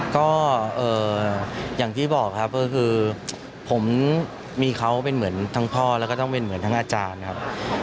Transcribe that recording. ก็อย่างที่บอกครับก็คือผมมีเขาเป็นเหมือนทั้งพ่อแล้วก็ต้องเป็นเหมือนทั้งอาจารย์ครับ